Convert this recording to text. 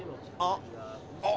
あっ。